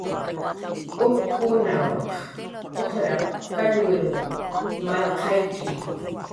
"upkunaq ujrap"" kallwir marqayki"